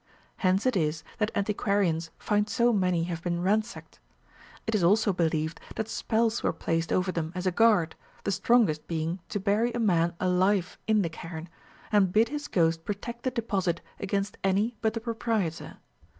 Hence it is that antiquarians find so many have been ransacked. It is also believed that spells were placed over them as a guard, the strongest being to bury a man alive in the cairn, and bid his ghost protect the deposit against any but the proprietor.